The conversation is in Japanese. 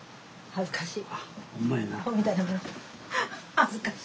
恥ずかしい。